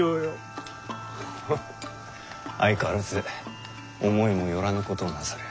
フフ相変わらず思いも寄らぬことをなさる。